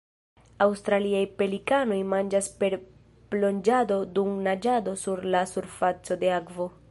Aŭstraliaj pelikanoj manĝas per plonĝado dum naĝado sur la surfaco de akvo.